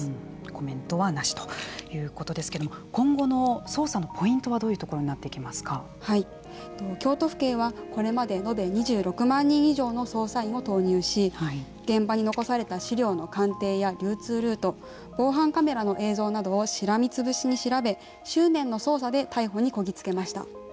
コメントはなしということですけども今後の捜査のポイントはどういうところに京都府警はこれまで延べ２６万人以上の捜査員を投入し現場に残された資料の鑑定や流通ルート防犯カメラの映像などをしらみつぶしに調べ執念の捜査で逮捕にこぎつけました。